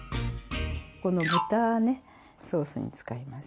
この豚ねソースに使います。